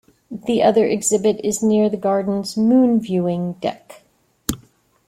The other exhibit is near the garden's 'Moon-Viewing' deck.